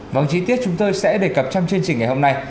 vòng trí tiết chúng tôi sẽ đề cập trong chương trình ngày hôm nay